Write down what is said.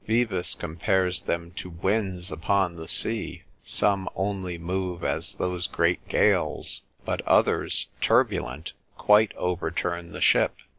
Vives compares them to Winds upon the sea, some only move as those great gales, but others turbulent quite overturn the ship.